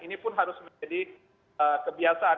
ini pun harus menjadi kebiasaan